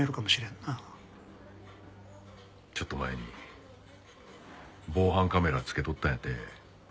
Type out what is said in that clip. ちょっと前に防犯カメラつけとったんやてえ。